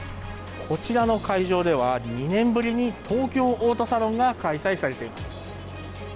こちらの会場では、２年ぶりに東京オートサロンが開催されています。